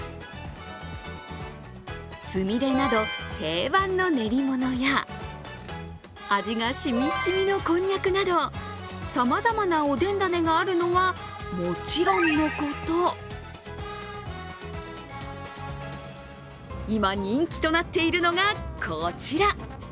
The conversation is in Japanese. つみれなど定番の練り物や味がしみしみのこんにゃくなどさまざまなおでん種があるのはもちろんのこと今、人気となっているのがこちら。